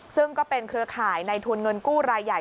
ซึ่งก็เป็นเครือข่ายในทุนเงินกู้รายใหญ่